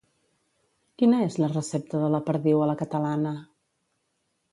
Quina és la recepta de la perdiu a la catalana?